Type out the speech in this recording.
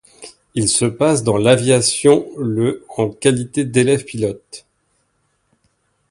Il passe dans l’aviation le en qualité d’élève pilote.